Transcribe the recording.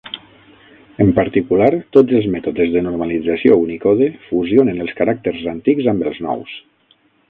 En particular, tots els mètodes de normalització Unicode fusionen els caràcters antics amb els nous.